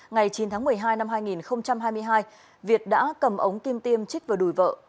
ngày chín tháng một mươi hai năm hai nghìn hai mươi hai việt đã cầm ống kim tiêm trích vào đùi vợ